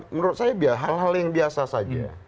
menurut saya hal hal yang biasa saja